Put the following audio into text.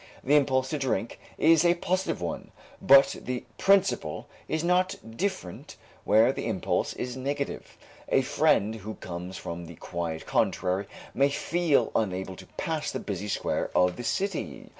The impulse to drink is a positive one, but the principle is not different where the impulse is negative. A friend who comes from the quiet country may feel unable to pass the busy square of the city.